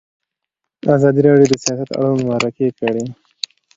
ازادي راډیو د سیاست اړوند مرکې کړي.